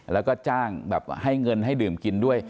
แล้วก็จ้างแบบให้เงินให้ดื่มกินด้วย